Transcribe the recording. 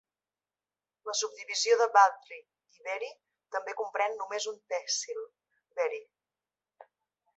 La subdivisió de Badli i Beri també comprèn només un tehsil, Beri.